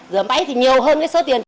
rửa máy thì nhiều hơn cái số tiền